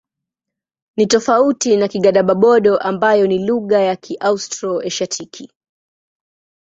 Ni tofauti na Kigadaba-Bodo ambayo ni lugha ya Kiaustro-Asiatiki.